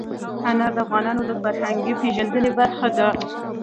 انار د افغانانو د فرهنګي پیژندنې برخه ده.